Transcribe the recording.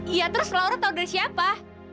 iya terus laura tahu dari siapa